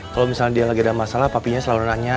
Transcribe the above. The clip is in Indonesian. kalau misalnya dia lagi ada masalah papinya selalu nanya